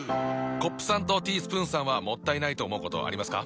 コップさんとティースプーンさんはもったいないと思うことありますか？